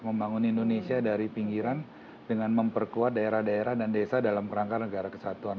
membangun indonesia dari pinggiran dengan memperkuat daerah daerah dan desa dalam kerangka negara kesatuan